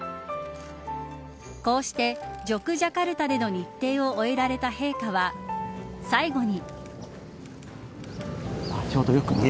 こうして、ジョクジャカルタでの日程を終えられた陛下は最後に。